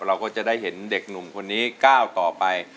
เราก็จะได้เห็นเด็กหนุ่มคนนี้ก้าวต่อไป